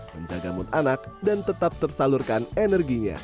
menjaga mood anak dan tetap tersalurkan energinya